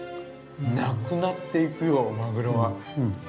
なくなっていくよ、マグロが。